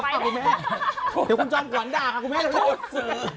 เดี๋ยวคุณจอมก่อนด่าค่ะคุณแม่เร็วโทษสื่อ